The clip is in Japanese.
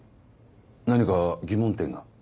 何か疑問点が？